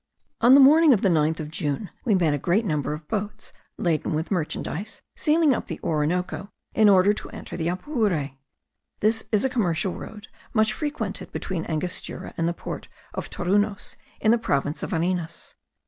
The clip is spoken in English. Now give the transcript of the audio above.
On the morning of the 9th of June we met a great number of boats laden with merchandize sailing up the Orinoco, in order to enter the Apure. This is a commercial road much frequented between Angostura and the port of Torunos in the province of Varinas.